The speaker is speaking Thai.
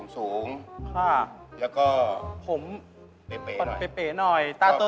สูงค่ะแล้วก็ผมเป๋หน่อยตาโต